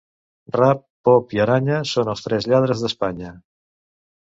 Rap, pop i aranya són els tres lladres d'Espanya.